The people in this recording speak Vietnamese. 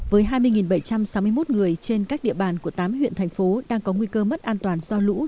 với hai mươi bảy trăm sáu mươi một người trên các địa bàn của tám huyện thành phố đang có nguy cơ mất an toàn